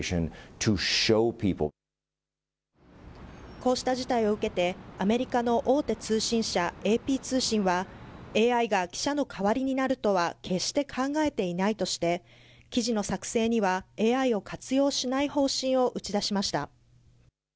こうした事態を受けて、アメリカの大手通信社、ＡＰ通信は、ＡＩが記者の代わりになるとは決して考えていないとして、記事の作成には、ＡＩを活用しない方針を打ち出しました。